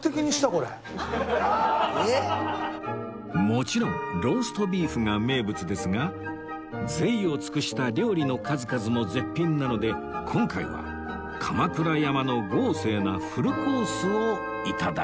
もちろんローストビーフが名物ですが贅を尽くした料理の数々も絶品なので今回は鎌倉山の豪勢なフルコースを頂きます